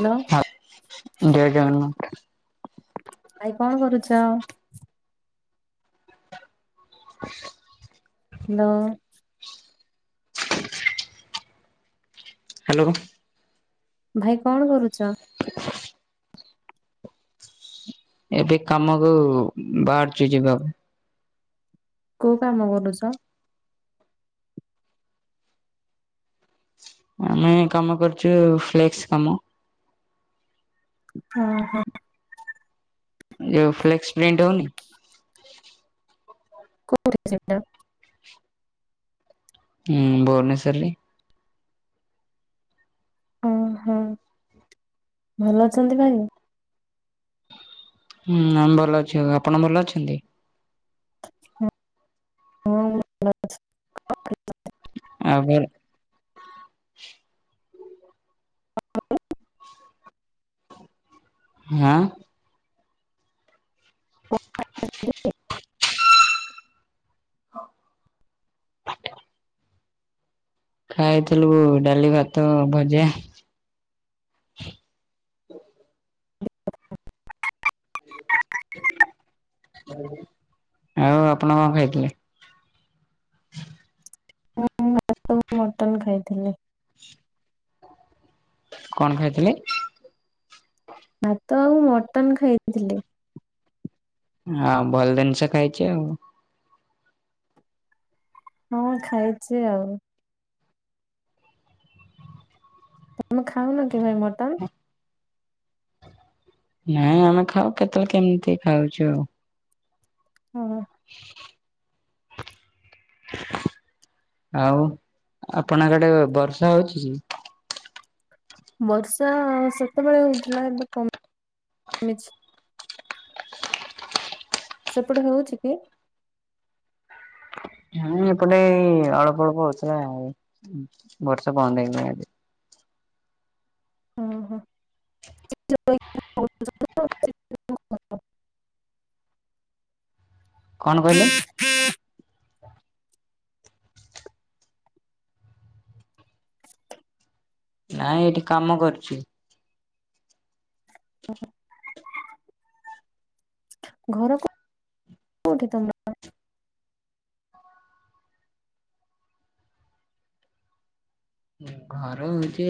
Hello ହଁ ଜୟେ ଜୟେ ହନୁମନ୍ତ। ଭାଇ କଣ କରୁଛ? ଆଚ୍ଛା ହାଲୋ। ହାଲୋ। ଭାଇ କଣ କରୁଛ? ଏବେ କାମକୁ ବାହାରୁଚି ଯିବାକୁ। କୋଉ କାମ କରୁଛ? ଆମେ କାମ କରୁଛୁ ଫ୍ଲେକ୍ସ କାମ। ଓଁହଁ। ଯୋଉ ଫ୍ଲେକ୍ସ ପ୍ରିଣ୍ଟ୍ ହଉନି? କୋଉଠି ସେଟା? ହୁଁ ଭୁବନେଶ୍ୱରରେ। ଓ ହୋଁ ଭଲ ଅଛନ୍ତି ଭାଇ [unintelligible] ହୁଁ ଆମେ ଭଲ ଅଛୁ ଆଉ ଆପଣ ଭଲ ଅଛନ୍ତି? ହୁଁ ହଁ ମୁଁ ଭଲ ଅଛି [inaudible] ଆଉ ଭେରେ ହାଁ? [inaudible] [unintelligible] ଖାଇଥିଲୁ ଡାଲି ଭାତ ଭଜା। ହ ଆଉ ଆପଣ କଣ ଖାଇଥିଲେ? ହଁ ମୁଁ ଭାତ କୁ ମଟନ୍ ଖାଇଥିଲି। କଣ ଖାଇଥିଲେ? ଭାତ ଆଉ ମଟନ୍ ଖାଇଥିଲି। ଆ ଭଲ ଜିନିଷ ଖାଇଚ ଆଉ। ହଁ ଖାଇଛି ଆଉ। ତମେ ଖାଉନ କି ଭାଇ ମଟନ୍? ନାଇଁ ଆମେ ଖାଉ କେତେବେଳେ କେମିତି ଖାଉଛୁ ଆଉ। ହ। [inaudible] ଆଉ ଆପଣଙ୍କଡେ ବର୍ଷା ହଉଛି [unintelligible] ବର୍ଷା ସେତେବେଳେ ହଉଥିଲା ଏବେ କମିଛି। ସେପଟେ ହୋଉଛି କି? ହୁଁ ଏପଟେ ଏଇ ଅଳପ ଅଳପ ହଉଥିଲା ଆଉ। ଉଁ ବର୍ଷା ବନ୍ଦ ହେଲାଣି ଆଜି। ଓହୋ। [inaudible] କଣ କହିଲେ? ନାଇଁ ଏଠି କାମ କରୁଚି। ଘର କୋ କୋଉଠି ତମର? ଘର ହୋଉଚି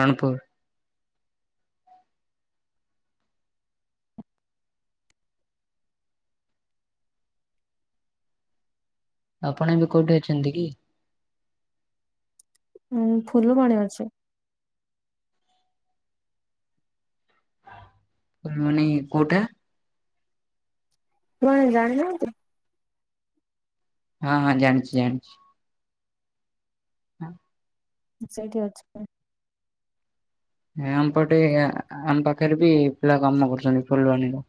ରଣପୁର। ଆପଣ ଏବେ କୋଉଠି ଅଛନ୍ତି କି? ହୁଁ ଫୁଲବାଣୀ ଅଛି। ଫୁଲବାଣୀ କୋଉଟା? ବାଣୀ ଜାଣି ନାହାଁନ୍ତି? ହଁ ହଁ ଜାଣିଚି ଜାଣିଚି। ହଁ ‌। ମୁଁ ସେଇଠି ଅଛି। ଏ ଆମ ପଟେ ଆ ଆମ ପାଖରେ ବି ପିଲା କାମ କରୁଚନ୍ତି ଫୁଲବାଣୀରେ।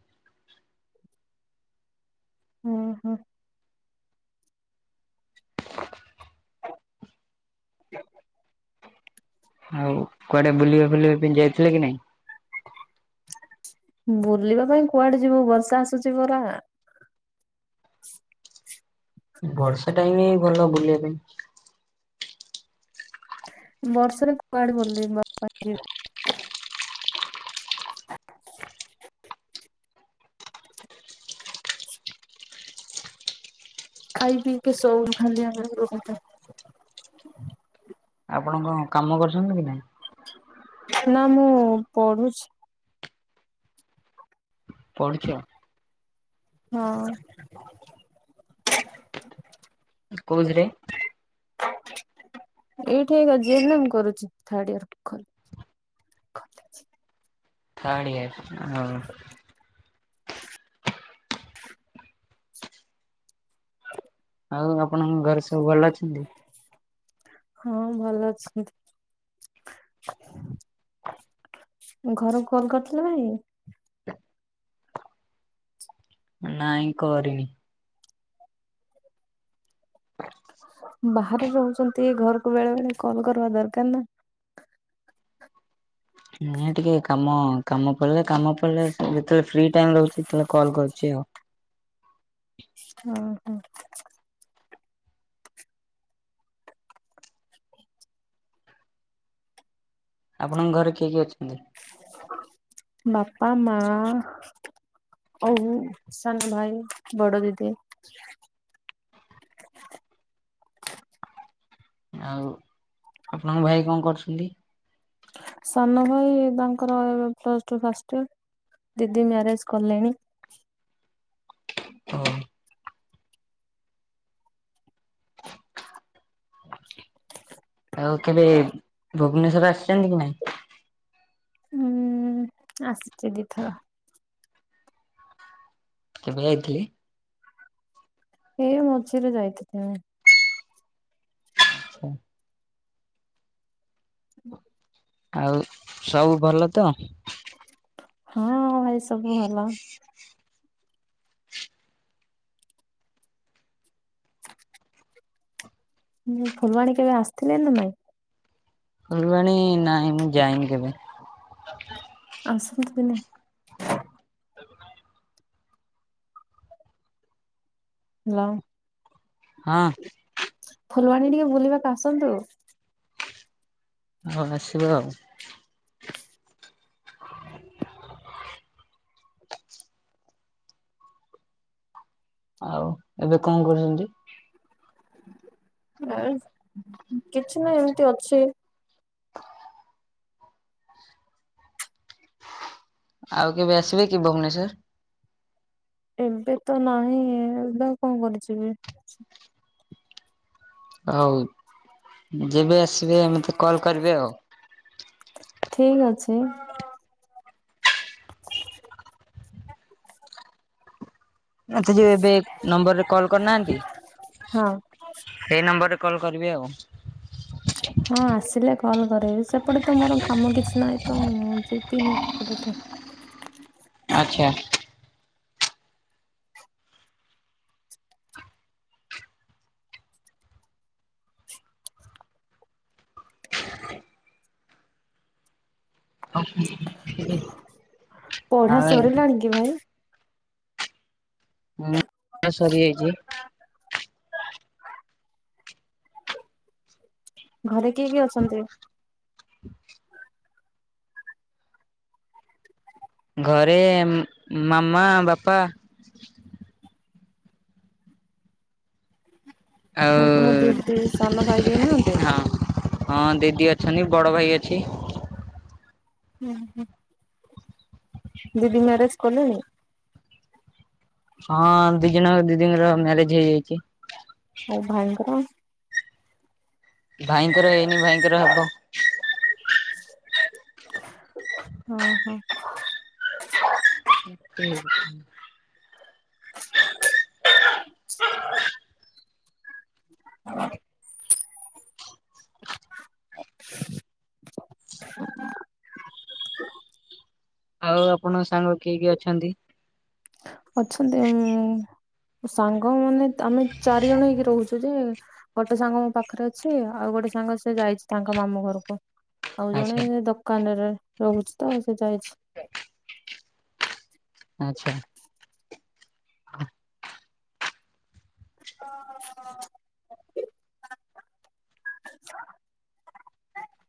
ଓହୋ। [inaudible] ଆଉ କୁଆଡ଼େ ବୁଲିବା ଫୁଲିବା ପାଇଁ ଯାଇଥିଲେ କି ନାଇଁ? ବୁଲିବା ପାଇଁ କୁଆଡ଼େ ଯିବୁ ବର୍ଷା ଆସୁଚି ପରା। ବର୍ଷା ଟାଇମ୍ ଭଲ ବୁଲିବା ପାଇଁ। ବର୍ଷରେ କୁଆଡ଼େ ବୁଲିବା ପାଇଁ ଯି [inaudible] [inaudible] ଖାଇ ପିଇକି ସୋଉ ଖାଲି ଆମେ ଘରେ। ଆପଣଙ୍କ କଣ କାମ କରୁଛନ୍ତି କି ନାଇଁ? ନାଁ ମୁଁ ପଢ଼ୁଛି। ପଢୁ଼ଛ? ହଁ। କୋଉଥିରେ? ଏଇଠି ଏକା ଜି ଏନ୍ ଏମ୍ କରୁଚି ଥାର୍ଡ ଇୟର ଖ ଥାର୍ଡ ଇୟର୍ ହଁ। [inaudible] ଆଉ ଆପଣଙ୍କ ଘରେ ସବୁ ଭଲ ଅଛନ୍ତି? ହଁ ଭଲ ଅଛନ୍ତି। ଘରୁକୁ କଲ୍ କରିଥିଲ ଭାଇ? [inaudible] ନାଇଁ କରିନି। ବାହାରେ ରହୁଛନ୍ତି ଘରୁକୁ ବେଳେ ବେଳେ କଲ୍ କରିବା ଦରକାର ନା। ନୁହେଁ ଟିକେ କାମ କାମ ପଡ଼ିଲେ କାମ ପଡ଼ିଲେ ସେ ଯେତୋଳେ ଫ୍ରି ଟାଇମ୍ ରହୁଚି ସେତଳେ କଲ୍ କରୁଚି ଆଉ। ହଁ ହଁ। ଆପଣଙ୍କ ଘରେ କିଏ କିଏ ଅଛନ୍ତି? ବାପା, ମା ଆଉ ସାନ ଭାଇ ବଡ଼ ଦିଦି। ଆଉ ଆପଣଙ୍କ ଭାଇ କଁ କରୁଛନ୍ତି? ସାନ ଭାଇ ତାଙ୍କର ପ୍ଲସ୍ ଟୁ ଫାଷ୍ଟ ଇୟର୍। ଦିଦି ମ୍ୟାରେଜ୍ କଲେଣି। ଓ। ଆଉ କେବେ ଭୁବନେଶ୍ଵର ଆସିଚନ୍ତି କି ନାଇଁ? ହୁଁ ଆସିଚି ଦିଥର। କେବେ ଯାଇଥିଲେ? ଏଇ ମଝିରେ ଯାଇଥିନି। ଛା। ହଁ [inaudible] ଆଉ ସବୁ ଭଲ ତ? ହଁ ଭାଇ ସବୁ ଭଲ। ଉଁ ଫୁଲବାଣୀ କେବେ ଆସିଥିଲେ ନା ନାଇଁ? ଫୁଲବାଣୀ ନାହିଁ ମୁଁ ଯାଇନି କେବେ। ଆସି ନଥିଲେ? [inaudible] ହାଲୋ। ହଁ। ଫୁଲବାଣୀ ଟିକେ ବୁଲିବାକୁ ଆସନ୍ତୁ। ହଁ ଆସିବା ଆଉ। ଆଉ ଏବେ କଣ କରୁଚନ୍ତି? ଏଇ କିଛି ନାଇଁ ଏମିତି ଅଛି। ଆଉ କେବେ ଆସିବେ କି ଭୁବନେଶ୍ଵର? ଏବେ ତ ନାହିଁ ଏବେ ଆଉ କଣ [unintelligible] ହଉ ଯେବେ ଆସିବେ ମତେ କଲ୍ କରିବେ ଆଉ। ଠିକ ଅଛି। ଆଚ୍ଛା ଯୋଉ ଏବେ ନମ୍ବର ରେ କଲ କରିନାହାନ୍ତି ହଁ। ସେଇ ନମ୍ବର ରେ କଲ୍ କରିବେ ଆଉ। ହଁ ଆସିଲେ କଲ୍ କରିବି ସେପଟେ ତ ମୋର କାମ କିଛି ନାହିଁ ତ ମୁଁ ଯିବିନି ସେପଟେ ଏତେ। ଆଚ୍ଛା। ଆ [inaudible] ପଢା ଏ ସରିଲାଣି କି ଭାଇ? ପଢ଼ା ସରିଯାଇଚି। [inaudible] ଘରେ କିଏ କିଏ ଅଛନ୍ତି? ଘରେ ମାମା ବାପା। ଆଉ ତୁମ ଦିଦି ସାନ ଭାଇ କେହି ନାହାନ୍ତି? ହଁ ହଁ ଦିଦି ଅଛନ୍ତି ବଡ ଭାଇ ଅଛି। ହୁଁ ହୁଁ। ଦିଦି ମ୍ୟାରେଜ କଲେଣି? ହଁ ଦି ଜଣ ଦିଦିଙ୍କର ମ୍ୟାରେଜ ହେଇଯାଇଚି। ଆଉ ଭାଇଙ୍କର? ଭାଇଙ୍କର ହେଇନି ଭାଇଙ୍କର ହବ। ଓହୋ। [inaudible] ହଁ ହ [inaudible] ଆଉ ଆପଣଙ୍କ ସାଙ୍ଗ କିଏ କିଏ ଅଛନ୍ତି? ଅଛନ୍ତି ଉଁ ସାଙ୍ଗ ମାନେ ତ ଆମେ ଚାରିଜଣ ହେଇକି ରହୁଚୁ ଯେ। ଗୋଟେ ସାଙ୍ଗ ମୋ ପାଖରେ ଅଛି ଆଉ ଗୋଟେ ସାଙ୍ଗ ସେ ଯାଇଚି ତାଙ୍କ ମାମୁଁ ଘରକୁ ଆଉ ଜଣେ ଆଚ୍ଛା ଦୋ କାନରେ ରହୁଚି ତ ସେ ଯାଇଛି। ଆଚ୍ଛା। ହ [inaudible] ଓ [inaudible] [inaudible]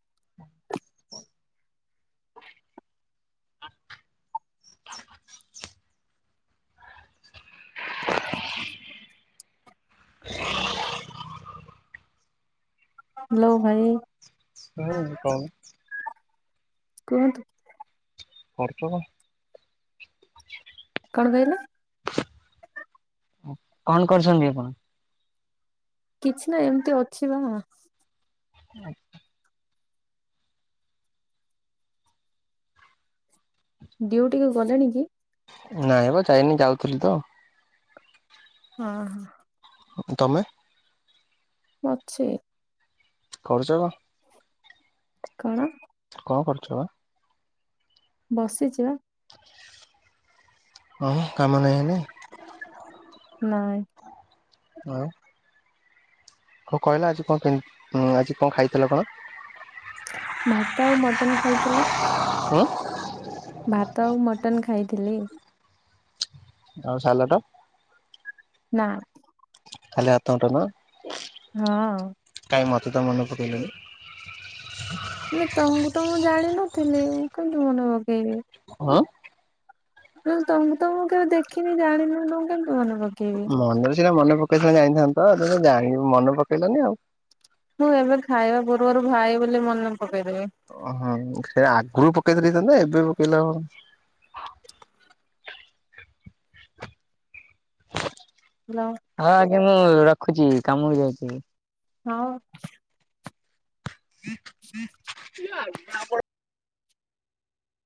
ହ [inaudible] ହ [inaudible] ହାଲୋ ଭାଇ। ହୁଁ କ [unintelligible] କୁହଁନ୍ତୁ କରୁଚ କନ? କଣ କହିଲ? କଣ କରୁଛନ୍ତି ଆପଣ? କିଛି ନା ଏମିତି ଅଛି ବ। ଆଜ୍ା [inaudible] ଡିଉଟିକୁ ଗଲେଣି କି? ନାଇଁବ ଯାଇନି ଯାଉଥିଲି ତ। ହଁ ହ ତମେ ଅଛି କରୁଚ କଣ? କଣ? କଣ କରୁଛ ବା? ବସିଛିିବା। ହଁ କାମ ନାହିଁ ହେନି? ନାଇଁ ହଁ ହଁ କହିଲା ଆଜି କଣ ଆଜି କଣ ଖାଇଥିଲ ଆପଣ? ଭାତ ଆଉ ମଟନ ଖାଇଥିଲି। ହୁଁ ଭାତ ଆଉ ମଟନ୍ ଖାଇଥିଲି। ଆଉ ସାଲ ଟ। ନା ଖାଲି ହାତ [unintelligible] ହଁ କାଇଁ ମତେ ତ ମନ ପକେଇଲାଣି? ନ ତମକୁ ତ ମୁଁ ଜାଣିନଥିଲି ମୁଁ କେନ୍ତତି ମନେ ପକେଇବି? ହଁ ଁ ତ ତମଁ କେବେ ଦେଖିନି ଜାଣିନି ତମ କେମତି ମନେ କର? ମନ୍ଦିର ସେଇଟା ମନେ ପକେଇ ସ ଯାଇଥାନ୍ତ ତ ଯାଇି ମନେ ପକେଇଲନି ଆଉ ତଁ ଏବେ ଖାଇବା ପୂର୍ବରୁ ଭାଇ ବୋଲି ମନେ ପକେଇଦେବି ଓହଁ ସେ ଆଗରୁ ପକେଇଥିଲି ତ ଏବେ ପକେଇଲା [unintelligible] ହ୍ୟାଲୋ ହଁ ଆଜ୍ଞା ମୁଁ ରଖୁଛି କାମକୁ ଯାଉଛି ହଁ ହୁଁ ହୁଁ [inaudible]